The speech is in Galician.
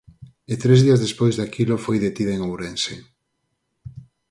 E tres días despois daquilo foi detida en Ourense.